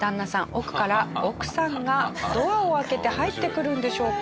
奥から奥さんがドアを開けて入ってくるんでしょうか？